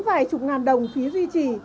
vài chục ngàn đồng phí duy trì